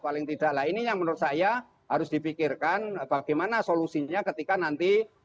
paling tidak lah ini yang menurut saya harus dipikirkan bagaimana solusinya ketika nanti